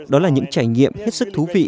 đó là những trải nghiệm hết sức thú vị